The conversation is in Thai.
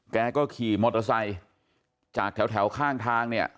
แกก็ขี่มอเตอร์ไซค์จากแถวข้างทางเนี่ย